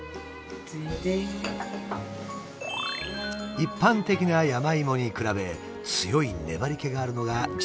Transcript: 一般的な山芋に比べ強い粘りけがあるのが自然薯の特徴。